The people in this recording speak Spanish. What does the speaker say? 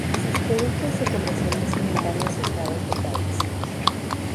Sus productos se comercializan en varios estados del país.